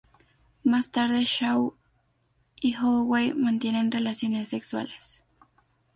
Más tarde Shaw y Holloway mantienen relaciones sexuales.